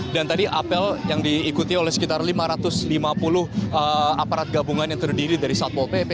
dan tadi apel yang diikuti oleh sekitar lima ratus lima puluh aparat gabungan yang terdiri dari satpol pp